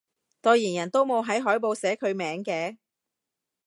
代言人都冇喺海報寫佢名嘅？